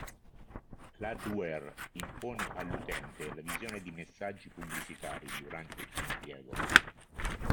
L'adware impone all'utente la visione di messaggi pubblicitari durante il suo impiego.